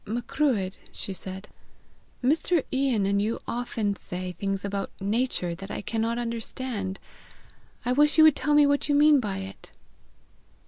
"Macruadh," she said, "Mr. Ian and you often say things about NATURE that I cannot understand: I wish you would tell me what you mean by it."